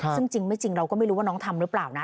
ซึ่งจริงไม่จริงเราก็ไม่รู้ว่าน้องทำหรือเปล่านะ